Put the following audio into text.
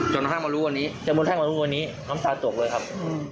จนมนต์แห้งมารู้วันนี้น้ำตาตกเลยครับ